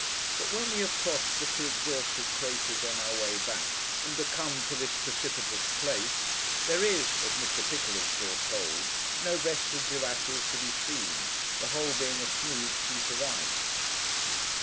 But, when we have crossed the two exhausted craters on our way back and are come to this precipitous place, there is (as Mr. Pickle has foretold) no vestige of ashes to be seen; the whole being a smooth sheet of ice.